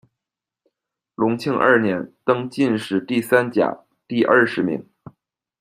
隆庆二年，登进士第三甲第二十名。